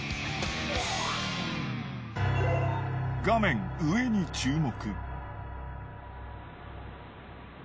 画面上に注目。